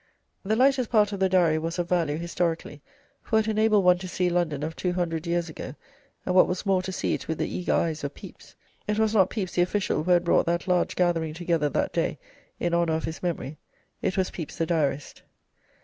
The lightest part of the Diary was of value, historically, for it enabled one to see London of 200 years ago, and, what was more, to see it with the eager eyes of Pepys. It was not Pepys the official who had brought that large gathering together that day in honour of his memory: it was Pepys the Diarist."